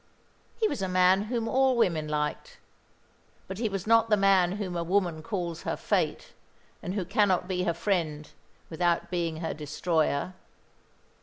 He was a man whom all women liked; but he was not the man whom a woman calls her Fate, and who cannot be her friend without being her destroyer.